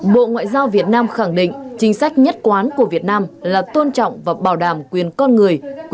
bộ ngoại giao việt nam khẳng định chính sách nhất quán của việt nam là tôn trọng và bảo đảm quyền con người